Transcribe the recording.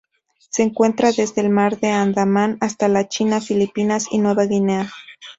Se encuentra desde el Mar de Andaman hasta la China, Filipinas y Nueva Guinea.